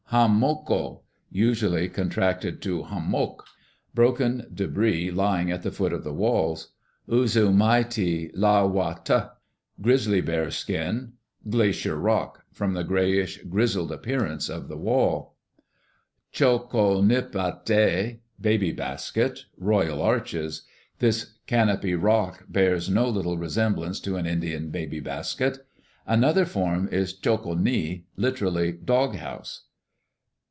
"Ham' mo ko (usually contracted to Ham' moak),... broken debris lying at the foot of the walls. "U zu' mai ti La' wa tuh (grizzly bear skin), Glacier Rock... from the grayish, grizzled appearance of the wall. "Cho ko nip' o deh (baby basket), Royal Arches. This... canopy rock bears no little resemblance to an Indian baby basket. Another form is cho ko' ni,... literally... 'dog house.'